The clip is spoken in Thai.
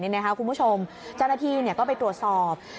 นี่นะครับคุณผู้ชมเจ้าหน้าที่ก็ไปตรวจสอบ